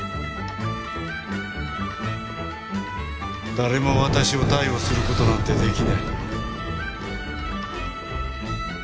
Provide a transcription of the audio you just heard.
誰も私を逮捕することなんてできない